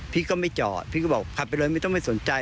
พี่ก็ไม่จอดพี่ก็บอกขับไปเลยไม่ต้องไม่สนใจ